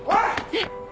えっ！